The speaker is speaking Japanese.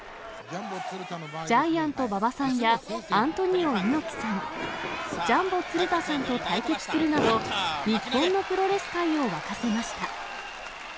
ジャイアント馬場さんやアントニオ猪木さん、ジャンボ鶴田さんと対決するなど、日本のプロレス界を沸かせました。